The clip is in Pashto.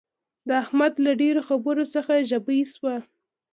د احمد له ډېرو خبرو څخه ژبۍ شوه.